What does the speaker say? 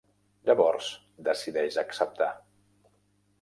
Llavors decideix acceptar.